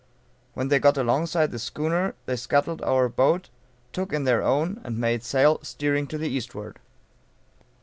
When they got alongside of the schooner they scuttled our boat, took in their own, and made sail, steering to the eastward.